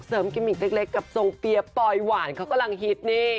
กิมมิกเล็กกับทรงเปี๊ยปลอยหวานเขากำลังฮิตนี่